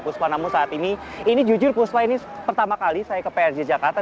puspa namun saat ini ini jujur puspa ini pertama kali saya ke prj jakarta